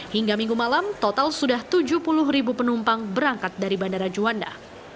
hingga minggu malam total sudah tujuh puluh ribu penumpang berangkat dari bandara juanda